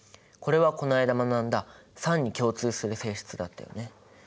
これはこの間学んだ酸に共通する性質だったよね。